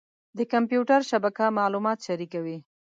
د کمپیوټر شبکه معلومات شریکوي.